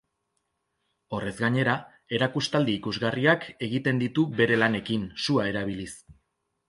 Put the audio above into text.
Horrez gainera, erakustaldi ikusgarriak egiten ditu bere lanekin, sua erabiliz.